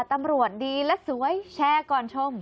ตำรวจดีและสวยแชร์ก่อนชม